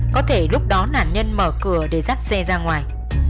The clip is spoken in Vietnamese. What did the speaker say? có thể lúc đó nạn nhân mở cửa để dắt xe ra ngoài